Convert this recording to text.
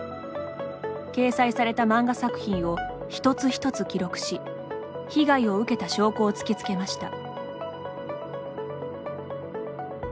掲載された漫画作品を一つ一つ記録し被害を受けた証拠を突きつけました。